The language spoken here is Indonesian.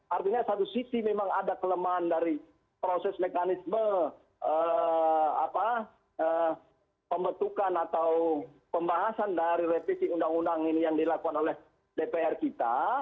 artinya satu sisi memang ada kelemahan dari proses mekanisme pembentukan atau pembahasan dari revisi undang undang ini yang dilakukan oleh dpr kita